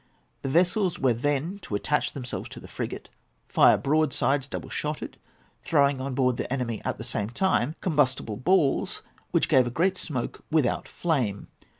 The vessels were then to attach themselves to the frigate, fire broadsides, double shotted, throwing on board the enemy at the same time combustible balls which gave a great smoke without flame.